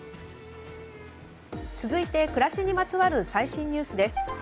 続いて、暮らしにまつわる最新ニュースです。